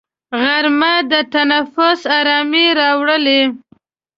غرمه د تنفس ارامي راولي